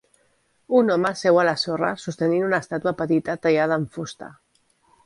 Un home seu a la sorra sostenint una estàtua petita tallada en fusta.